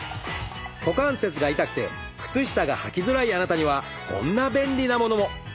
股関節が痛くて靴下がはきづらいあなたにはこんな便利なものも。